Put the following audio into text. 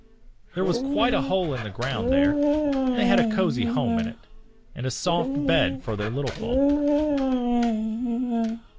There was quite a hole in the ground there, and they had a cosy home in it, and a soft bed for their little folk."